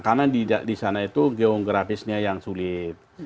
karena di sana itu geografisnya yang sulit